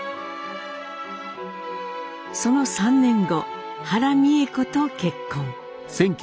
その３年後原美枝子と結婚。